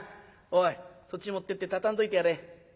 おいそっち持ってって畳んどいてやれ。